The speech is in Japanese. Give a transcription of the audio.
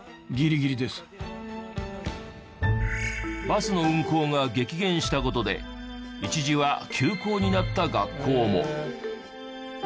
バスの運行が激減した事で一時は休校になった学校も。